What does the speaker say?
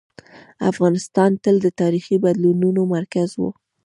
افغانستان تل د تاریخي بدلونونو مرکز و.